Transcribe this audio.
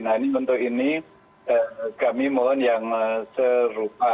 nah ini untuk ini kami mohon yang serupa